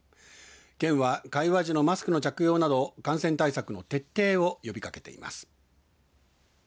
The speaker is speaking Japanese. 県は会話時のマスクの着用など感染対策の徹底を呼びかけています。